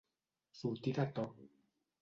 Sortir de to.